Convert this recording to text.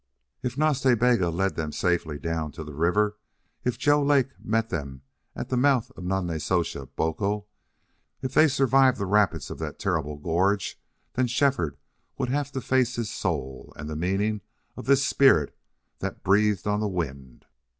If Nas Ta Bega led them safely down to the river, if Joe Lake met them at the mouth of Nonnezoshe Boco, if they survived the rapids of that terrible gorge, then Shefford would have to face his soul and the meaning of this spirit that breathed on the wind.